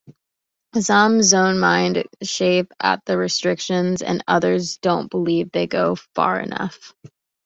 Some Zoneminds chafe at the restrictions and others don't believe they go far enough.